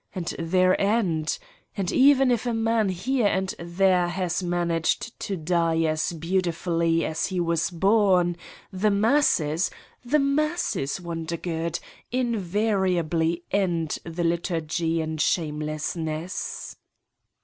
And their end ? And even if a man here and there has managed to die as beautifully as he was born, the masses, the masses, Wondergood, invariably end the liturgy in shamelessness